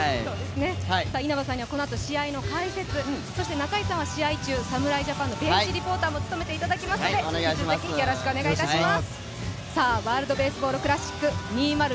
稲葉さんにはこのあと試合の解説、そして中居さんは試合中、侍ジャパンのベンチリポーターも務めていただきますので、引き続きよろしくお願いいたします。